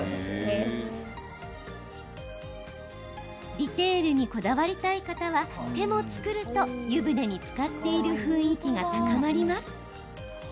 ディテールにこだわりたい方は手も作ると湯船につかっている雰囲気が高まります。